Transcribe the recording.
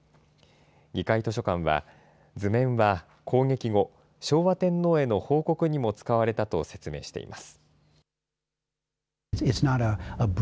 議会図書館は、図面は攻撃後、昭和天皇への報告にも使われたと説明しています。